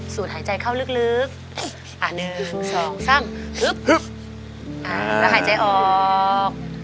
สูดหายใจเข้าลึกลึกอ่าหนึ่งสองสามฮึบอ่าแล้วหายใจออก